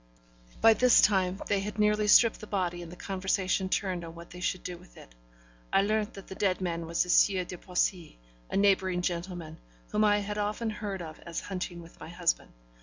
By this time, they had nearly stripped the body; and the conversation turned on what they should do with it. I learnt that the dead man was the Sieur de Poissy, a neighbouring gentleman, whom I had often heard of as hunting with my husband.